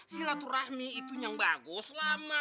silaturahmi itu yang bagus lama